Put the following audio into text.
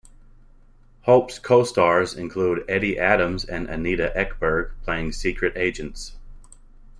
Hope's co-stars include Edie Adams and Anita Ekberg playing secret agents.